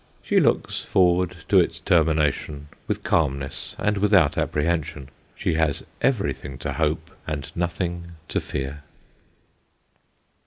She looks forward to its termination, with calmness and without apprehension. She has every thing to hope and nothing to fear.